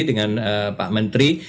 dengan pak menteri